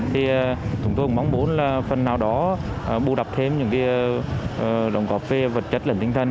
thì chúng tôi cũng mong muốn phần nào đó bù đập thêm những đồng cọp về vật chất lẫn tinh thần